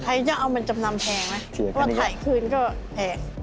ใครจะเอามาจำนำแพงไหม